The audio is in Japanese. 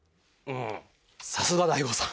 さすが大悟さん！